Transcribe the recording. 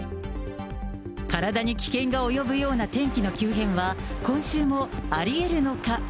体に危険が及ぶような天気の急変は、今週もありえるのか。